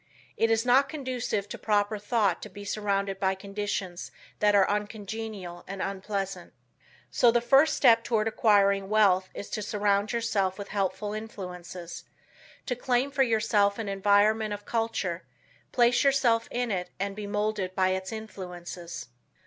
It is not conducive to proper thought to be surrounded by conditions that are uncongenial and unpleasant. So the first step toward acquiring wealth is to surround yourself with helpful influences; to claim for yourself an environment of culture, place yourself in it and be molded by its influences.